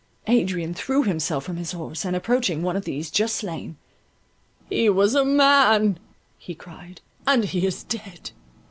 Adrian threw himself from his horse, and approaching one of those just slain: "He was a man," he cried, "and he is dead.